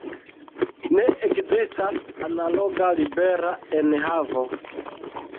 Ne ekzistas analoga libera enhavo.